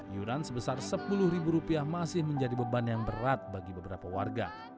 iuran sebesar rp sepuluh masih menjadi beban yang berat bagi beberapa warga